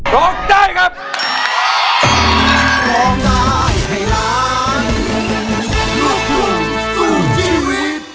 ร้องได้ครับ